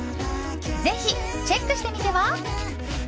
ぜひチェックしてみては？